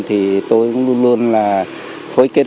thì tôi cũng luôn luôn là phối kết hợp